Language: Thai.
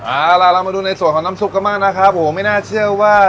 เอาล่ะเรามาดูในส่วนของน้ำซุปกันบ้างนะครับผมไม่น่าเชื่อว่า